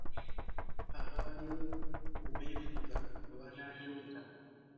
Abaaliwo ku meefuga bananjulira.